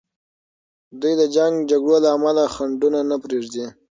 دوی د جنګ جګړو له امله خنډونه نه پریږدي.